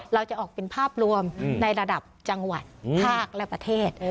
เราจะออกเป็นภาพรวมในระดับจังหวัดภาคและประเทศ